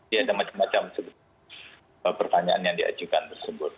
ya ada macam macam pertanyaan yang diajukan tersebut